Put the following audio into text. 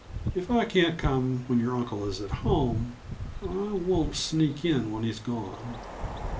"If I can't come when your uncle is at home, I won't sneak in when he's gone.